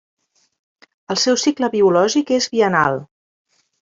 El seu cicle biològic és biennal.